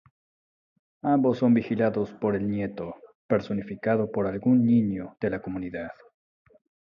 Ambos son vigilados por "el nieto", personificado por algún niño de la comunidad.